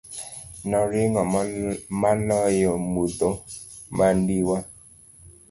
Noring'o maloyo mudho mandiwa.